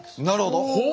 なるほど！